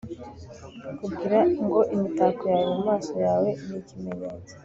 Kugira ngo imitako yawe mumaso yawe nikimenyetso